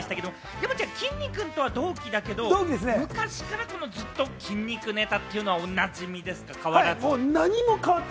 山ちゃん、きんに君とは同期だけれども、昔からこのずっと筋肉ネタというのは、おなじみですか？